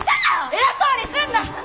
偉そうにすんな！